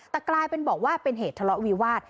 แต่กลายเป็นบอกว่าเป็นเหตุทะเลาะวิวาส